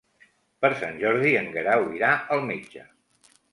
Per Sant Jordi en Guerau irà al metge.